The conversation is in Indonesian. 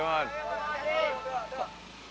berhati hati doa doa